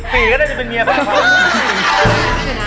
ปีก็ได้เป็นเมียแผงกลัว